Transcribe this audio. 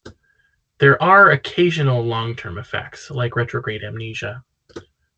There are occasional long-term effects, like retrograde amnesia.